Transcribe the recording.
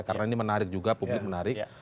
karena ini menarik juga publik menarik